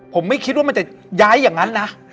ผมไม่คิดว่ามันจะย้ายอย่างนั้นนะ